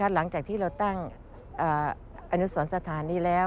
หลังจากที่เราตั้งอนุสรสถานนี้แล้ว